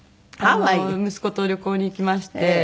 息子と旅行に行きまして。